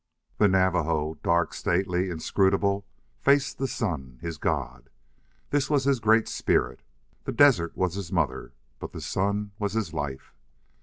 The Navajo, dark, stately, inscrutable, faced the sun his god. This was his Great Spirit. The desert was his mother, but the sun was his life.